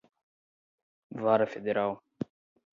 vara federal